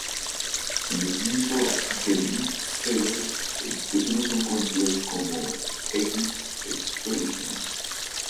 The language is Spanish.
En el mundo de Lisp tales expresiones son conocidas como S-expressions.